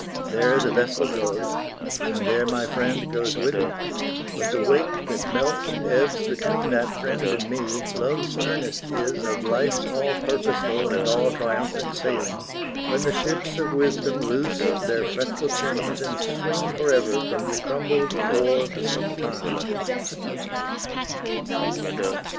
There the vessel goes, And there my friend goes with it; but the wake That melts and ebbs between that friend and me Love's earnest is of Life's all purposeful And all triumphant sailing, when the ships Of Wisdom loose their fretful chains and swing Forever from the crumbled wharves of Time.